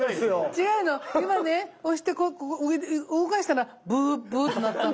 違うの今ね押して動かしたらブーブーとなったの。